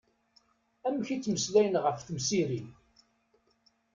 Amek i ttmeslayen ɣef temsirin.